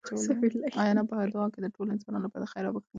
انا په دعا کې د ټولو انسانانو لپاره د خیر او بښنې غوښتنه وکړه.